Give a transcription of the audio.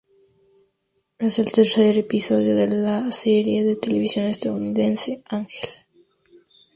Es el tercer episodio de la de la serie de televisión estadounidense Ángel.